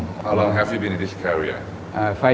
เมื่อไหร่เธออยู่ที่นี่